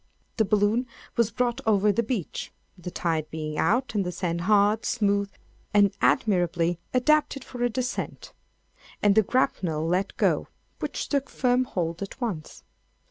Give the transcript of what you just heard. The balloon was brought over the beach (the tide being out and the sand hard, smooth, and admirably adapted for a descent,) and the grapnel let go, which took firm hold at once.